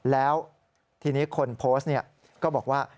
แล้วทีนี้คนโพสต์ก็บอกว่า